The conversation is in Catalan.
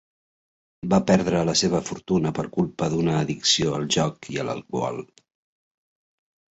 Va perdre la seva fortuna per culpa d'una addicció al joc i a l'alcohol.